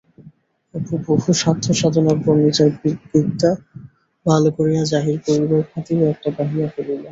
অপু বহু সাধ্যসাধনার পর নিজের বিদ্যা ভালো করিয়া জাহির করিবার খাতিরে একটা গাহিয়া ফেলিল।